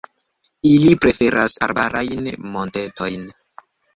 Ili preferas arbarajn montetojn.